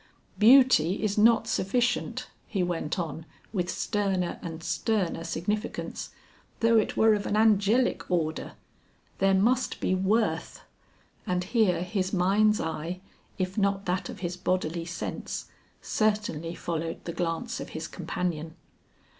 Beauty is not sufficient," he went on with sterner and sterner significance, "though it were of an angelic order. There must be worth." And here his mind's eye if not that of his bodily sense, certainly followed the glance of his companion.